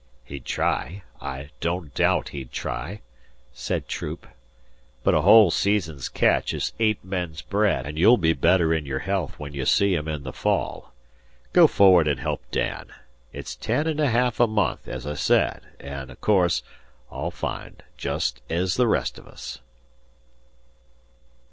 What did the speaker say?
"He'd try. I don't doubt he'd try," said Troop; "but a whole season's catch is eight men's bread; an' you'll be better in your health when you see him in the fall. Go forward an' help Dan. It's ten an' a ha'af a month, e I said, an' o' course, all f'und, same e the rest o' us."